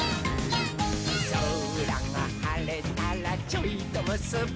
「そらがはれたらちょいとむすび」